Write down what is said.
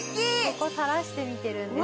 ここ垂らしてみてるんです今。